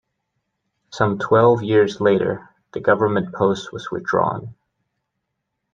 Some twelve years later the government post was withdrawn.